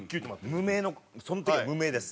無名のその時は無名です。